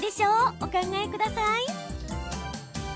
お考えください。